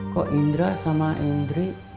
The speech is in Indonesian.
kok indra sama indri